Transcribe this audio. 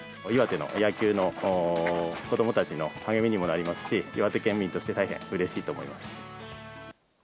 岩手の野球の子どもたちの励みにもなりますし、岩手県民として、大変うれしいと思います。